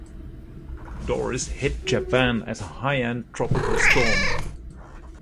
Dorris hit Japan as a high-end tropical storm.